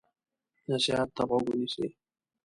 نصیحت ته غوږ ونیسئ.